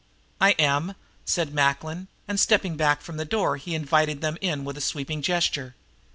"I am," said Macklin, and, stepping back from his door, he invited them in with a sweeping gesture.